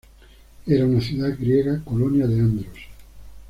Era una ciudad griega colonia de Andros.